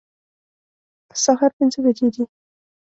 سهار پنځه بجې دي